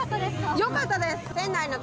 よかったですか？